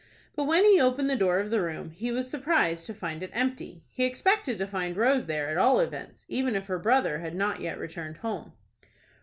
But when he opened the door of the room, he was surprised to find it empty. He expected to find Rose there, at all events, even if her brother had not yet returned home.